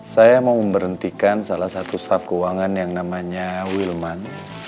saya mau memberhentikan salah satu staf keuangan yang namanya wilman